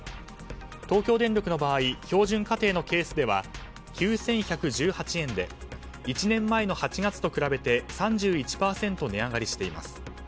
東京電力の場合標準家庭のケースでは９１１８円で１年前の８月と比べて３１％値上がりしています。